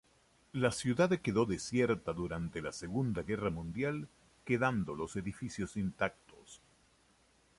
La ciudad quedó desierta durante la Segunda Guerra Mundial quedando los edificios intactos.